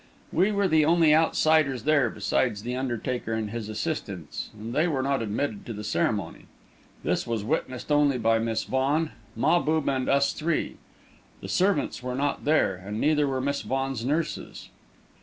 We were the only outsiders there, besides the undertaker and his assistants, and they were not admitted to the ceremony. This was witnessed only by Miss Vaughan, Mahbub and us three. The servants were not there, and neither were Miss Vaughan's nurses.